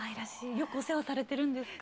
よくお世話されてるんですか？